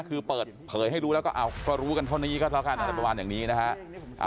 คือเปิดเผยให้รู้แล้วก็รู้กันเท่านี้ก็แล้วกันอะไรประมาณอย่างนี้นะฮะ